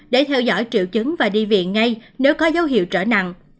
để theo dõi triệu chứng và đi viện ngay nếu có dấu hiệu trở nặng